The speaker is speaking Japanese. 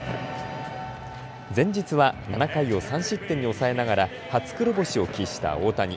前日は７回を３失点に抑えながら初黒星を喫した大谷。